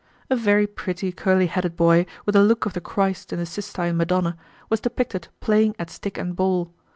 A very pretty curly headed boy with a look of the Christ in the Sistine Madonna was depicted playing at stick and ball.